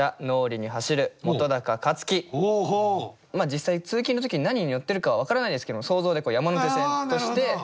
実際通勤の時に何に乗ってるかは分からないですけども想像で山手線として。